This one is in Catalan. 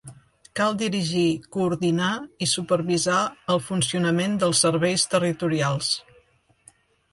Cal dirigir, coordinar i supervisar el funcionament dels serveis territorials.